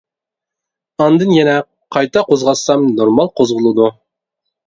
ئاندىن يەنە قايتا قوزغاتسام نورمال قوزغىلىدۇ.